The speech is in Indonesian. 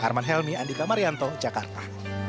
arman helmi andika marianto jakarta